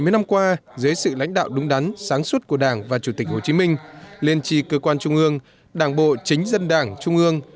bảy mươi năm qua dưới sự lãnh đạo đúng đắn sáng suốt của đảng và chủ tịch hồ chí minh liên trì cơ quan trung ương đảng bộ chính dân đảng trung ương